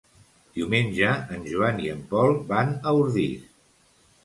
Diumenge en Joan i en Pol van a Ordis.